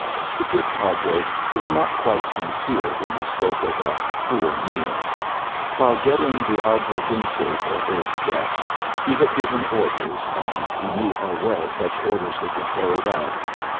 The good Padre was not quite sincere when he spoke of a "poor meal." While getting the aguardiente for his guest he had given orders, and he knew how well such orders would be carried out.